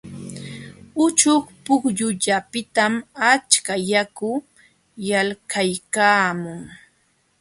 Uchuk pukyullapiqtam achka yaku yalqaykaamun.